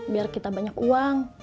biar kita banyak uang